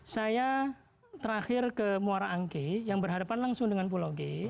saya terakhir ke muara angke yang berhadapan langsung dengan pulau g